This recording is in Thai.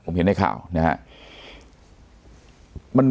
ผมเห็นในข่าวนะครับ